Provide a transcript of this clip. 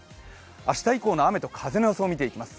明日以降の雨と風の予想見ていきます。